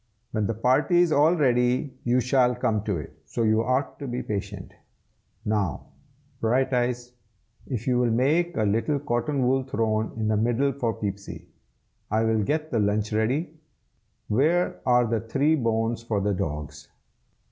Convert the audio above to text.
When the party is all ready, you shall come to it, so you ought to be patient. Now, Brighteyes, if you will make a little cotton wool throne in the middle for Peepsy. I will get the lunch ready. Where are the three bones for the dogs?"